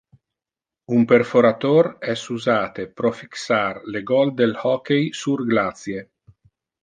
Un perforator es usate pro fixar le goal del hockey sur glacie.